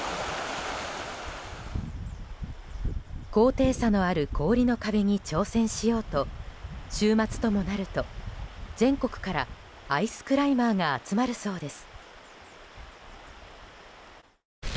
高低差のある氷の壁に挑戦しようと週末ともなると全国からアイスクライマーが集まるそうです。